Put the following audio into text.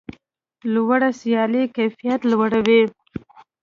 لوړه سیالي کیفیت لوړوي.